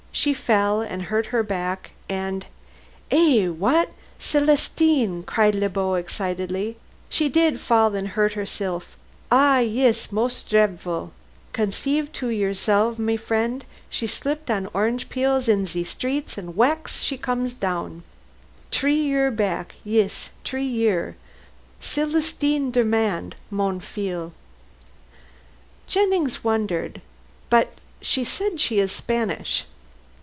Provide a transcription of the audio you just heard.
"She fell and hurt her back, and " "Eh wha a at Celestine!" cried Le Beau excitedly. "She did fall and hurt hersilf eh, yis mos' dredfil. Conceive to yoursilf, my frien', she slip on orange peels in ze streets and whacks comes she down. Tree year back yis tree year. Celestine Durand, mon fil." Jennings wondered. "But she says she is Spanish."